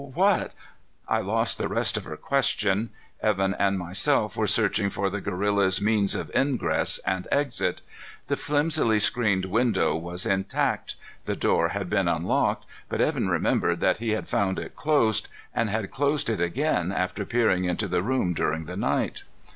What ?" I lost the rest of her question. Evan and myself were searching for the gorilla's means of ingress and exit. The flimsily screened window was intact. The door had been unlocked, but Evan remembered that he had found it closed and had closed it again after peering into the room during the night.